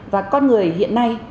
và con người hiện nay